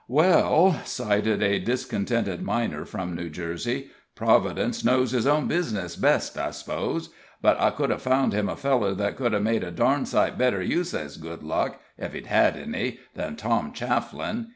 "Well," sighed a discontented miner from New Jersey, "Providence knows His own bizness best, I s'pose; but I could have found him a feller that could have made a darn sight better use of his good luck ef he'd had any than Tom Chafflin.